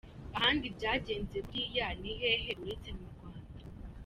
Ahandi byagenze kuriya ni hehe uretse mu Rwanda?